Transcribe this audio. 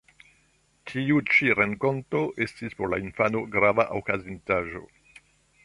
Tiu ĉi renkonto estis por la infano grava okazintaĵo.